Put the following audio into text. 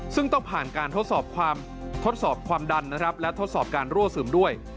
ซึ่งต้องผ่านการทดสอบความดันและทดสอบการรั่วสื่มด้วย